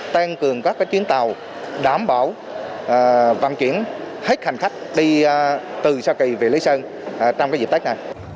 tăng cường các chuyến tàu đảm bảo vận chuyển hết hành khách đi từ xa kỳ về lý sơn trong dịp tết này